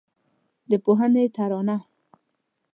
د پوهنې ترانه